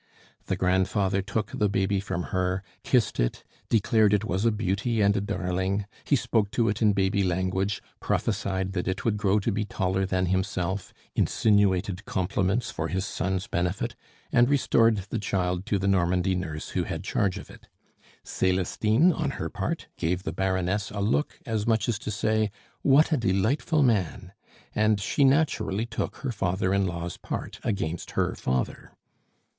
The grandfather took the baby from her, kissed it, declared it was a beauty and a darling; he spoke to it in baby language, prophesied that it would grow to be taller than himself, insinuated compliments for his son's benefit, and restored the child to the Normandy nurse who had charge of it. Celestine, on her part, gave the Baroness a look, as much as to say, "What a delightful man!" and she naturally took her father in law's part against her father.